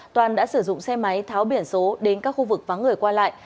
toàn đã sử dụng xe máy tháo biển số đến các khu vực vắng người qua lại